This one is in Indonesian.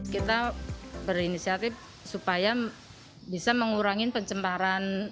kita berinisiatif supaya bisa mengurangi pencemparan